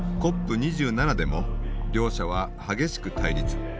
２７でも両者は激しく対立。